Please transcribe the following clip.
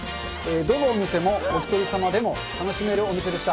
どのお店も、おひとり様でも楽しめるお店でした。